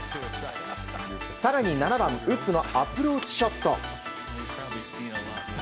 更に、７番ウッズのアプローチショット。